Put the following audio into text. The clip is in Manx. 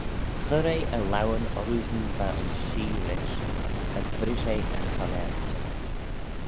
Chur eh e laueyn orroosyn va ayns shee rish: as vrish eh e chonaant.